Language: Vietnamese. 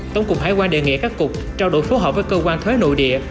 tổng cục hải quan đề nghị các cục trao đổi phối hợp với cơ quan thuế nội địa